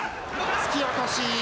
突き落とし。